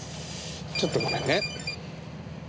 ちょっとごめんね。